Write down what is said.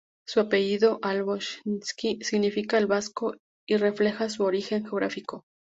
Su apellido al-Bashkunsi significa "el vasco", y refleja su origen geográfico.